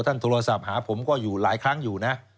โทรศัพท์หาผมก็อยู่หลายครั้งอยู่นะ